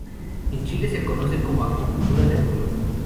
En Chile, se conoce como agricultura de rulo.